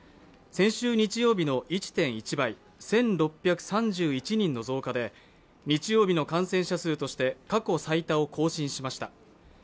先週日曜日の１．１倍、１６３１人の増加で日曜日の感染者数として過去最多を更新しました。